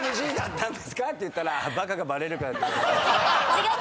違う！